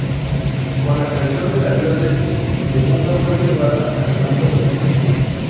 Con la creación de la Diócesis de Buga, fue elevada al rango de catedral.